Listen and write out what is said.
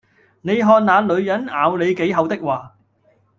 你看那女人「咬你幾口」的話，